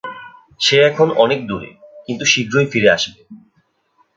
সে এখন অনেক দূরে, কিন্তু, শীঘ্রই ফিরে আসবে।